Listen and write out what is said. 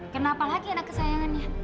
kenapa lagi anak kesayangannya